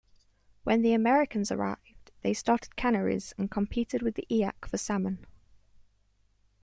When the Americans arrived they started canneries and competed with the Eyak for salmon.